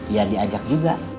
ya diajak juga